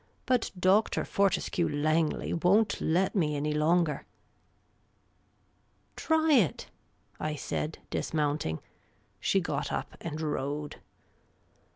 But Dr. Fortescue Langley won't let me any longer." Try it !" I said, dismounting. She got up and rode.